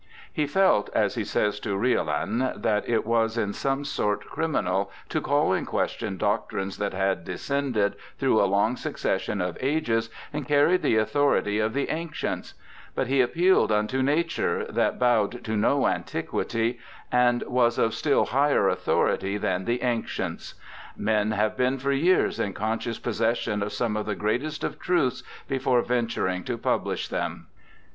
He felt, as he says to Riolan, that it was in some sort criminal to call in question doctrines that had descended through a long succession of ages and carried the authority of the ancients ; but he appealed unto Nature that bowed to no antiquity and was of still higher authority than the ancients. Men have been for years in conscious posses sion of some of the greatest of truths before venturing to publish them.